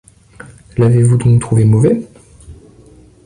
L'avez-vous donc trouvé mauvais ?